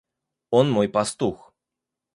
Он мой пастух.